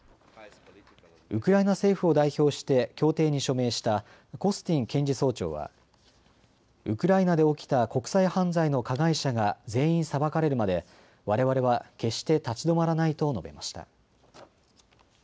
ウクライナ政府を代表して協定に署名したコスティン検事総長はウクライナで起きた国際犯罪の加害者が全員裁かれるまでわれわれは決して立ち止まらないと述べました。